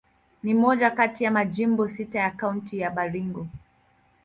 Ni moja kati ya majimbo sita ya Kaunti ya Baringo.